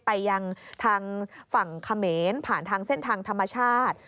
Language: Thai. ไปยังทางฝั่งเขมรผ่านทางเส้นทางธรรมชาติ